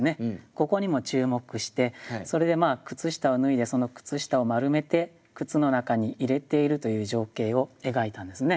ここにも注目してそれで靴下を脱いでその靴下を丸めて靴の中に入れているという情景を描いたんですね。